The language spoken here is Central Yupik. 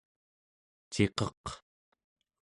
ciqeq